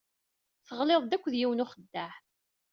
Teɣliḍ-d akked yiwen n uxeddaɛ.